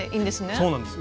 そうなんです。